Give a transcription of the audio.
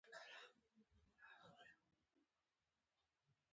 پکتیکا د افغانستان د انرژۍ سکتور برخه ده.